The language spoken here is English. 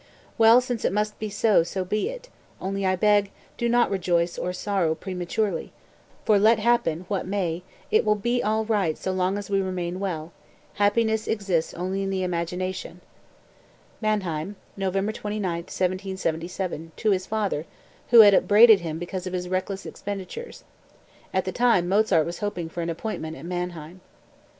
Well, since it must be so, so be it; only I beg, do not rejoice or sorrow prematurely; for let happen what may it will be all right so long as we remain well happiness exists only in the imagination." (Mannheim, November 29, 1777, to his father, who had upbraided him because of his reckless expenditures. At the time Mozart was hoping for an appointment at Mannheim.) 204.